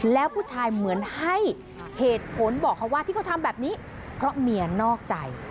แล้วผู้ชายเหมือนให้เหตุผลบอกเขาว่าที่เขาทำแบบนี้เพราะเมียนอกใจ